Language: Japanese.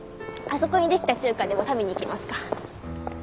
あそこにできた中華でも食べに行きますか。